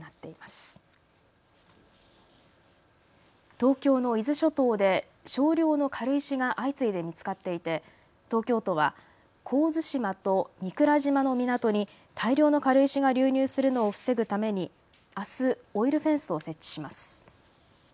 東京の伊豆諸島で少量の軽石が相次いで見つかっていて東京都は神津島と御蔵島の港に大量の軽石が流入するのを防ぐためにあす、オイルフェンスを設置します。